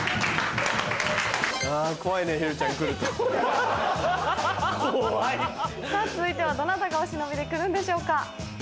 ・怖い・さぁ続いてはどなたがお忍びで来るんでしょうか。